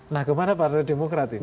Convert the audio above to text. nah kemana para demokrat ini